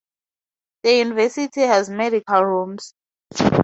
The university has medical rooms.